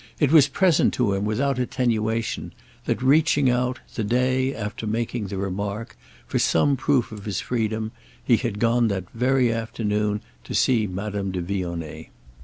It was present to him without attenuation that, reaching out, the day after making the remark, for some proof of his freedom, he had gone that very afternoon to see Madame de Vionnet.